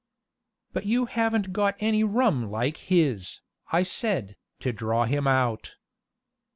"But you haven't got any rum like his," I said, to draw him out.